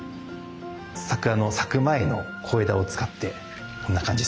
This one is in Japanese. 桜の咲く前の小枝を使ってこんな感じです。